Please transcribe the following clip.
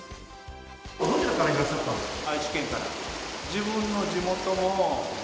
どちらからいらっしゃったんですか？